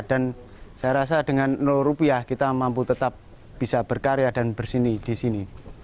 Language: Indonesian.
dan saya rasa dengan rupiah kita mampu tetap bisa berkarya dan bersini di sini